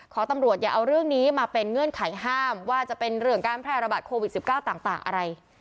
ขอตำรวจอย่าเอาเรื่องนี้มาเป็นเงื่อนไขห้ามว่าจะเป็นเรื่องการแพร่ระบาดโควิด๑๙ต่างอะไร